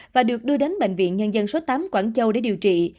và được đưa đến bệnh viện nhân dân số tám quảng châu để điều trị